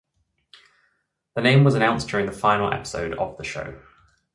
The name was announced during the final episode of the show.